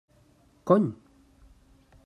Cony!